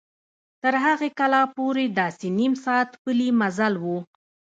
تر هغې کلا پورې داسې نیم ساعت پلي مزل و.